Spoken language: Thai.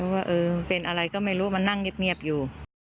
ว่าเป็นอะไรก็ไม่รู้มันนั่งเงียบอยู่